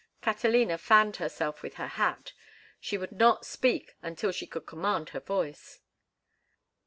Catalina fanned herself with her hat; she would not speak until she could command her voice.